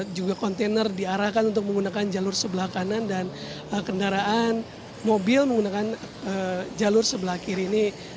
juga kontainer diarahkan untuk menggunakan jalur sebelah kanan dan kendaraan mobil menggunakan jalur sebelah kiri ini